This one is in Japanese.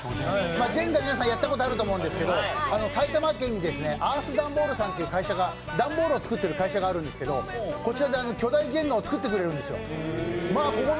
ジェンガ、皆さんやったことあると思うんですけど、埼玉県にアースダンボールさんという段ボールを作っている会社があるんですけどこちらで巨大ジェンガを作ってくれるんですよ